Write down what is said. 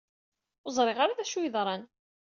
Ur ẓriɣ ara d acu ay yeḍran.